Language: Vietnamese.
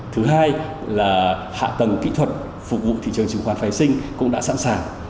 thứ hai là hạ tầng kỹ thuật phục vụ thị trường chứng khoán phái sinh cũng đã sẵn sàng